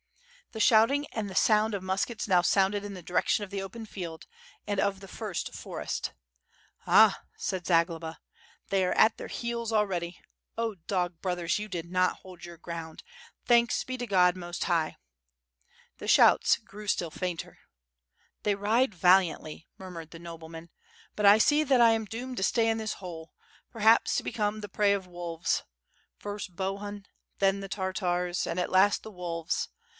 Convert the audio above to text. The shouting and the sound of muskets now sounded in the direction of the open field and of the first forest. "Ah!" said Zagloba, "they are at their heels already. Oh, dog brothers you did not hold your ground. Thanks be to Gk)d, most High!" The shouts grew still fainter. 682 WITH FIRE AND SWORD. *'They ride valiantly/' murmured the nobleman, "but I see that I am doomed to stay in this hole, perhaps, to become the prey of wolves. First Bohun, then the Tartars, and at last the wolves.